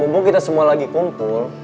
mumpung kita semua lagi kumpul